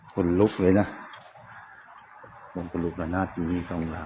คนลุกเลยนะผมก็ลุกลานาทวันนี้ครับ